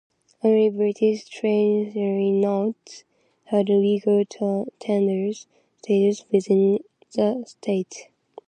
Only British Treasury notes had legal tender status within the state.